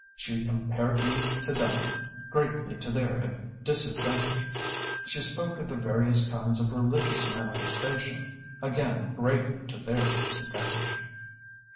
She compared me to them greatly to their disadvantage. She spoke of the various kinds of religious manifestation again greatly to their disadvantage."